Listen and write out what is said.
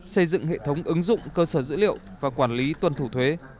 xây dựng hệ thống ứng dụng cơ sở dữ liệu và quản lý tuân thủ thuế